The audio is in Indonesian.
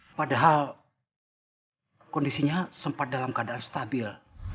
padahal kondisinya sempat dalam keadaan stabil